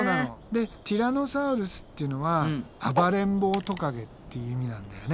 でティラノサウルスっていうのは暴れん坊トカゲって意味なんだよね。